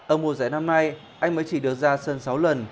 ở mùa giải năm nay anh mới chỉ được ra sân sáu lần